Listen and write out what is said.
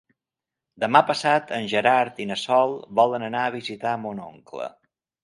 Demà passat en Gerard i na Sol volen anar a visitar mon oncle.